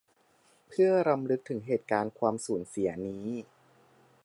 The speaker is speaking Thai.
เพื่อรำลึกถึงเหตุการณ์ความศูนย์เสียนี้